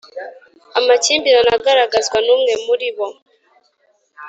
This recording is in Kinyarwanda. Amakimbirane agaragazwa numwe muri bo